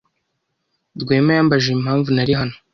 Rwema yambajije impamvu nari hano.